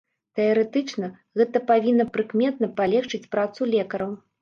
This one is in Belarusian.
Тэарэтычна, гэта павінна прыкметна палегчыць працу лекараў.